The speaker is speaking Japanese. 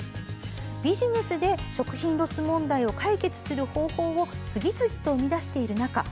ビジネスで食品ロス問題を解決する方法を次々と生み出している中